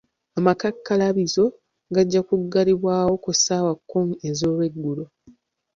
Amakakkalabizo gajja kugalibwa ku ssaawa kumi ez'olweggulo.